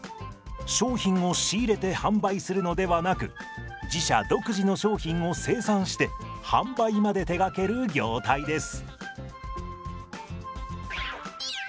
商品を仕入れて販売するのではなく自社独自の商品を生産して販売まで手がける業態です。